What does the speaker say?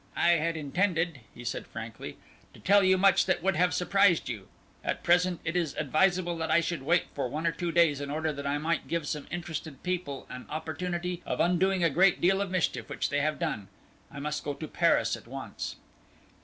I had intended," he said, frankly, "to tell you much that would have surprised you; at present it is advisable that I should wait for one or two days in order that I may give some interested people an opportunity of undoing a great deal of mischief which they have done. I must go to Paris at once."